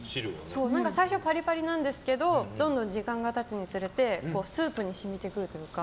最初パリパリなんですけどどんどん時間が経つにつれてスープに染みてくるというか。